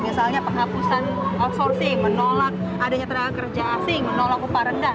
misalnya penghapusan outsourcing menolak adanya tenaga kerja asing menolak upah rendah